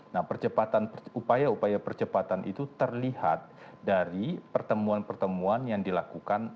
nah upaya upaya percepatan itu terlihat dari pertemuan pertemuan yang dilakukan